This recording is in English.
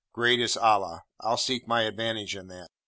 Great is Allah! I'll seek my advantage in that.'